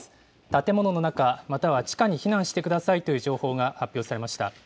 建物の中、または地下に避難してくださいという情報が発表されました。